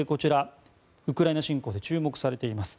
ウクライナ侵攻で注目されています。